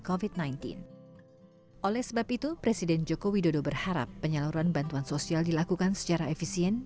oleh sebab itu presiden joko widodo berharap penyaluran bantuan sosial dilakukan secara efisien